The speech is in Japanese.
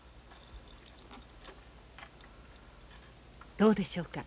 どうでしょうか？